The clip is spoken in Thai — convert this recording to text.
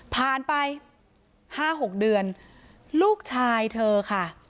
ผ่านไป๕๖เดือนลูกชายเธอค่ะ